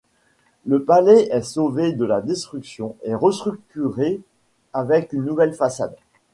Le palais est sauvé de la destruction et restructuré avec une nouvelle façade.